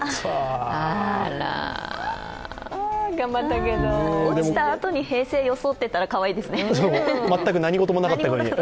頑張ったけど落ちたあとに平静を装ってたら面白いですね。